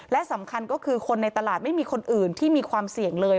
และสำคัญก็คือคนในตลาดไม่มีคนอื่นที่มีความเสี่ยงเลย